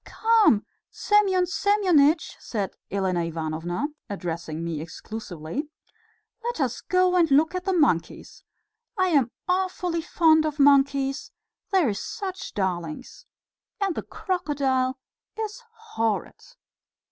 "Come, Semyon Semyonitch," said Elena Ivanovna, addressing me exclusively, "let us go and look at the monkeys. I am awfully fond of monkeys; they are such darlings ... and the crocodile is horrid."